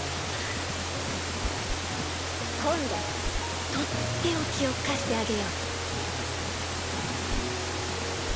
今度とっておきを貸してあげよう。